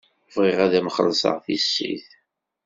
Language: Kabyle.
Bɣiɣ ad m-xellṣeɣ tissit.